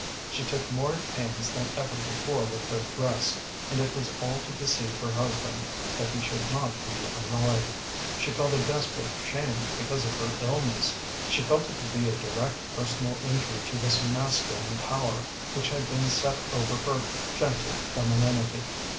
She took more pains than ever before with her dress, and it was all to deceive her husband, that he should not be annoyed. She felt a desperate shame because of her illness; she felt it to be a direct personal injury to this masculine power which had been set over her gentle femininity.